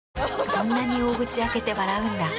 そんなに大口開けて笑うんだ。